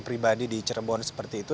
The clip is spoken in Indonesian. pribadi di cirebon seperti itu